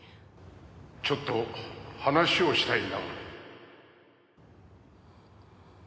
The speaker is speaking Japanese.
ちょっと話をしたいんだが。